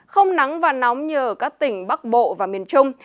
không nắng và nóng như ở các tỉnh bắc bộ và miền trung